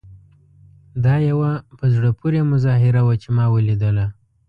دا یوه په زړه پورې مظاهره وه چې ما ولیدله.